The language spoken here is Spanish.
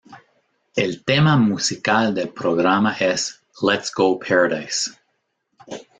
El tema musical del programa es "Let's Go Paradise".